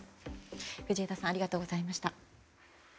藤枝さんありがとうございました。